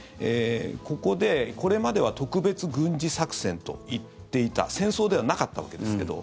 ここで、これまでは特別軍事作戦と言っていた戦争ではなかったわけですけど。